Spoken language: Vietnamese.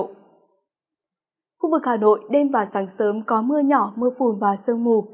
khu vực hà nội đêm và sáng sớm có mưa nhỏ mưa phùn và sương mù